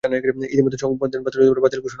ইতোমধ্যে সংবিধান বাতিল ও বাতিল ঘোষণা করা হয়েছে।